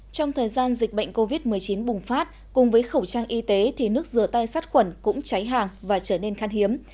trong thời gian dịch bệnh covid một mươi chín bùng phát cùng với khẩu trang y tế thì nước rửa tay sát khuẩn cũng cháy hàng và trở nên khăn hiếm